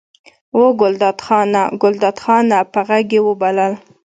وه ګلداد خانه! ګلداد خانه! په غږ یې وبلل.